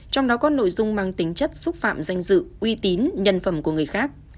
trong đó có nội dung mang tính chất xúc phạm danh dự uy tín nhân phẩm của người khác